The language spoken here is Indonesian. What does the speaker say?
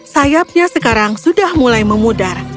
sayapnya sekarang sudah mulai memudar